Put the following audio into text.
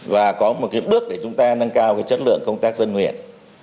và có một cái bước để chúng ta nâng cao cái chất lượng công tác dân nguyện